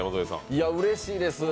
いや、うれしいです。